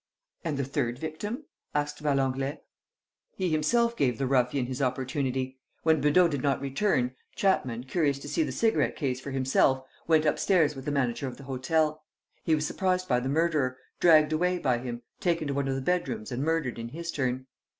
"And the third victim?" asked Valenglay. "He himself gave the ruffian his opportunity. When Beudot did not return, Chapman, curious to see the cigarette case for himself, went upstairs with the manager of the hotel. He was surprised by the murderer, dragged away by him, taken to one of the bedrooms and murdered in his turn."